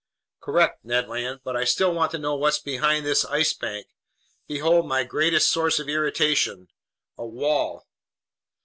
"Correct, Ned Land, but I still want to know what's behind this Ice Bank! Behold my greatest source of irritation—a wall!"